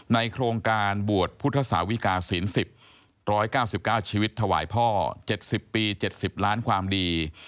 โครงการบวชพุทธศาวิกาศีล๑๐๑๙๙ชีวิตถวายพ่อ๗๐ปี๗๐ล้านความดี